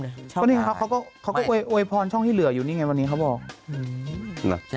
ก็นี่ไงเขาก็โวยพรช่องที่เหลืออยู่นี่ไงวันนี้เขาบอก